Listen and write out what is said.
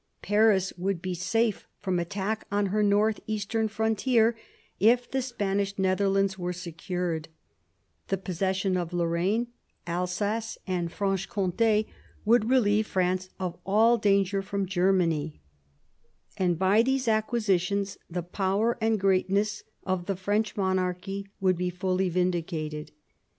Paris would be safe from attack on her north eastern frontier if the Spanish Netherlands were secured; the possession of Lorraine, Alsace, and Franche Comt6 would relieve France of all danger from Germany; and by these acquisitions the power and greatness of the French monarchy would be fully vindicated.